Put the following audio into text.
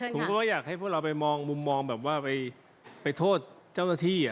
ผมก็อยากให้พวกเราไปมองมุมมองแบบว่าไปโทษเจ้าหน้าที่